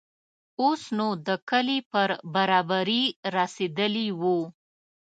اوس نو د کلي پر برابري رسېدلي وو.